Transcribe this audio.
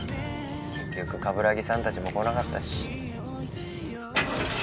結局鏑木さんたちも来なかったし。